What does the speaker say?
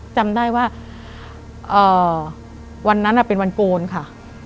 จำได้ว่าวันนั้นเป็นวันโกนค่ะ